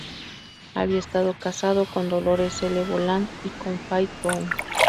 Había estado casado con Dolores L. Boland y con Faith Brown.